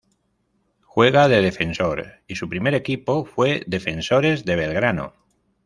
Juega de defensor y su primer equipo fue Defensores de Belgrano.